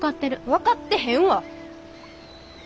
分かってへんわ！